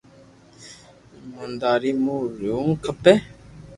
ايمونداري مون رھيوُ کپي